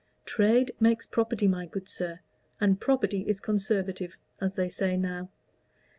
Trade makes property, my good sir, and property is conservative, as they say now.